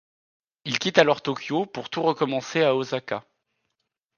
Il quitte alors Tokyo pour tout recommencer à Osaka.